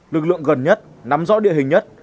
lực lượng gần nhất nắm rõ địa hình nhất